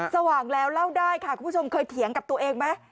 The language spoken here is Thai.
สว่างแล้วเล่าได้ค่ะคุณผู้ชมเคยเถียงกับตัวเองไหม